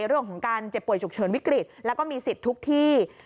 เรื่องของการเจ็บป่วยฉุกเฉินวิกฤตแล้วก็มีสิทธิ์ทุกที่